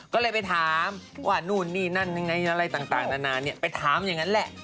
ก็เลยไปถามว่านู่นนี่นั่นยังไงอะไรต่างนานาไปถามอย่างนั้นแหละ